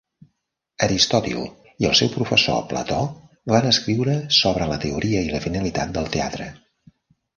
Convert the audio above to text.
Aristòtil i el seu professor Plató van escriure sobre la teoria i la finalitat del teatre.